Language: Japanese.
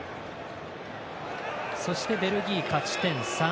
そして、ベルギー、勝ち点３。